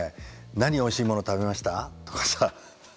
何おいしいもの食べました？」とかさ